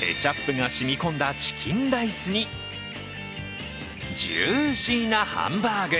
ケチャップが染み込んだチキンライスにジューシーなハンバーグ。